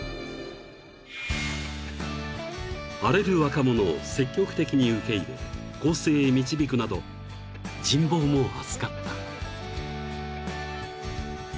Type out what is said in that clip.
［荒れる若者を積極的に受け入れ更生へ導くなど人望も厚かった］